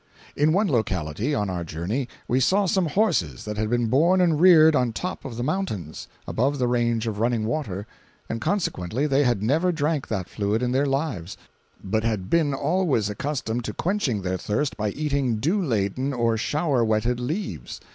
In one locality, on our journey, we saw some horses that had been born and reared on top of the mountains, above the range of running water, and consequently they had never drank that fluid in their lives, but had been always accustomed to quenching their thirst by eating dew laden or shower wetted leaves.